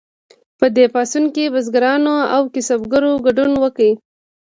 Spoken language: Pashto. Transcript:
په دې پاڅون کې بزګرانو او کسبګرو ګډون وکړ.